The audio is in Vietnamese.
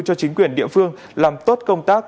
cho chính quyền địa phương làm tốt công tác